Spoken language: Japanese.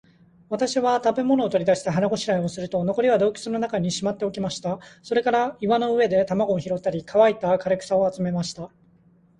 私は食物を取り出して、腹ごしらえをすると、残りは洞穴の中にしまっておきました。それから岩の上で卵を拾ったり、乾いた枯草を集めました。